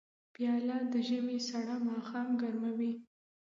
پیاله د ژمي سړه ماښام ګرموي.